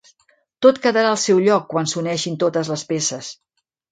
Tot quedarà al seu lloc quan s'uneixin totes les peces.